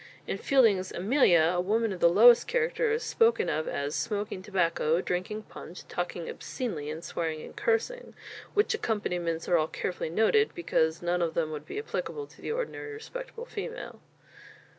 In Fielding's "Amelia," a woman of the lowest character is spoken of as "smoking tobacco, drinking punch, talking obscenely and swearing and cursing" which accomplishments are all carefully noted, because none of them would be applicable to the ordinary respectable female.